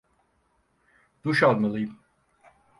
Duş almalıyım.